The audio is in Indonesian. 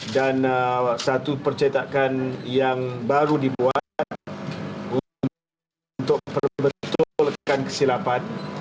dan satu percetakan yang baru dibuat untuk perbetulkan kesilapan